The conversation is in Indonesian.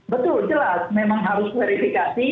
betul jelas memang harus verifikasi